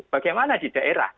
bagaimana di daerah